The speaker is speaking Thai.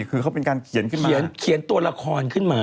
คือเขาเป็นการเขียนขึ้นมาเขียนตัวละครขึ้นมา